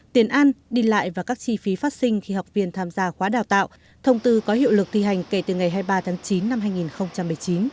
tiền ăn đi lại và các chi phí phát sinh khi học viên tham gia khóa đào tạo thông tư có hiệu lực thi hành kể từ ngày hai mươi ba tháng chín năm hai nghìn một mươi chín